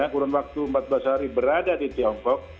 kurun waktu empat belas hari berada di tiongkok